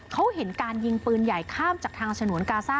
เขาเห็นการยิงปืนใหญ่ข้ามจากทางฉนวนกาซ่า